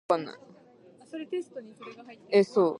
Among the demonstrators was Tassos Isaac who was beaten to death.